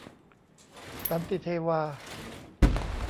สันติเทวา